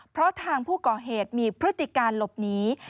เพราะทางผู้ก่อเหตุมีพฤติการหลบหนี